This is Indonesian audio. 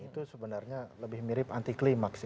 itu sebenarnya lebih mirip anti klimaks